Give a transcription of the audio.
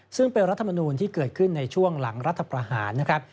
ซึ่งเป็นรัฐมนูลที่เกิดขึ้นในช่วงหลังรัฐประหารนะครับ